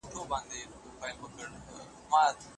بله لمبه به په پانوس کي تر سهاره څارې